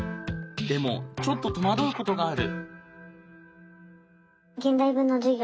でもちょっと戸惑うことがある。